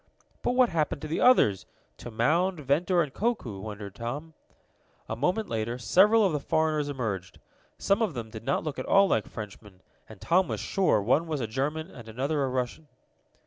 "But what happened to the others to Mound, Ventor and Koku?" wondered Tom. A moment later several of the foreigners entered. Some of them did not look at all like Frenchmen, and Tom was sure one was a German and another a Russian.